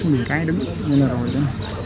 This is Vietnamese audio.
mình khai đứng như thế này rồi chứ